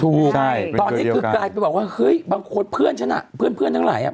ถูกตอนนี้กลายไปบอกว่าเฮ้ยบางคนเพื่อนฉันอ่ะเพื่อนทั้งหลายอ่ะ